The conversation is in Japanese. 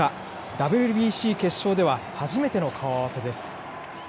ＷＢＣ決勝では初めての顔合わせです。